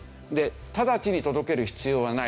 直ちに届ける必要はない。